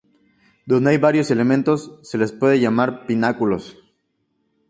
Donde hay varios elementos, se los puede llamar pináculos.